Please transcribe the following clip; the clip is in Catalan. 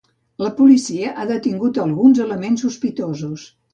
La policia ha detingut alguns elements sospitosos.